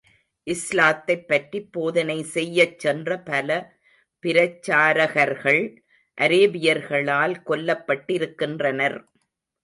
இஸ்லாத்தைப் பற்றிப் போதனை செய்யச் சென்ற பல பிரச்சாரகர்கள் அரேபியர்களால் கொல்லப்பட்டிருக்கின்றனர்.